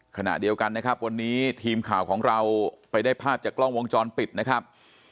ขณะเดียวกันนะครับวันนี้ทีมข่าวของเราไปได้ภาพจากกล้องวงจรปิดนะครับ